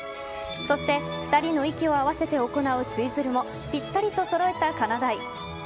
そして２人の息を合わせて行うツイズルもぴったりと揃えたかなだい。